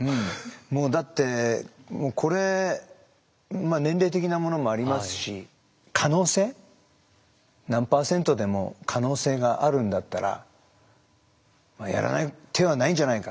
もうだってこれ年齢的なものもありますし可能性何％でも可能性があるんだったらやらない手はないんじゃないかと。